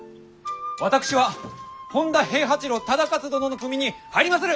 私は本多平八郎忠勝殿の組に入りまする！